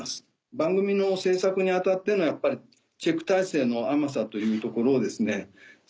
番組の制作に当たってのやっぱりチェック体制の甘さというところをですね